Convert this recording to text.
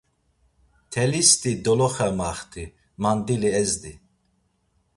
Mtelisti Doloxe amaxti, mandili ezdi.